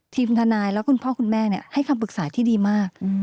ทีมทนายแล้วก็คุณพ่อคุณแม่เนี้ยให้คำปรึกษาที่ดีมากอืม